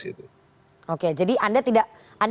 jadi anda tidak anda gak bisa menjawab di sini mbak ritwana